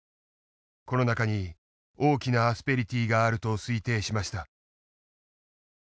この中に大きなアスペリティーがあると推定しました。